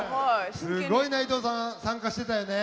すごい内藤さん参加してたよね？